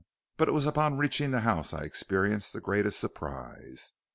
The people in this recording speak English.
But it was upon reaching the house I experienced the greatest surprise.